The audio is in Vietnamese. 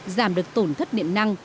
giảm được tổn thất điện năng